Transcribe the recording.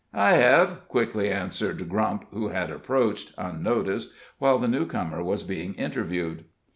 "I hev," quickly answered Grump, who had approached, unnoticed, while the newcomer was being interviewed.